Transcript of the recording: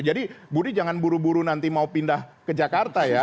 jadi budi jangan buru buru nanti mau pindah ke jakarta ya